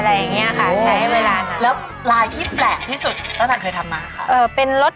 อะไรอย่างนี้ค่ะใช้เวลาแล้วอากาศอาณร้ายขี้แผ่นที่สุดตั้งแต่ทำหูเป็นรถ